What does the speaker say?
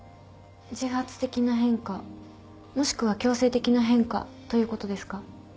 自発的な変化もしくは強制的な変化ということですか？